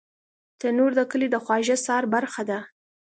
تنور د کلي د خواږه سهار برخه ده